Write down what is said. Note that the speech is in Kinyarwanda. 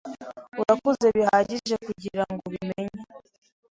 Urakuze bihagije kugirango ubimenye.